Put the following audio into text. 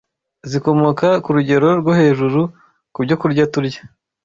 zikomoka ku rugero rwo hejuru ku byokurya turya